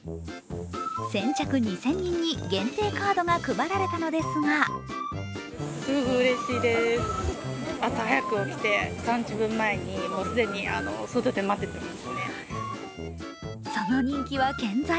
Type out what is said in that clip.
先着２０００人に限定カードが配られたのですがその人気は健在。